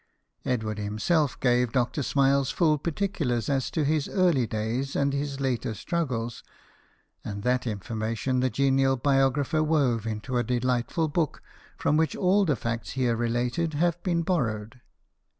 Edward himself gave Dr. Smiles full particulars as to his early days and his later struggles ; and that information the genial biographer wove into a delightful book, from which all the facts here related have been borrowed.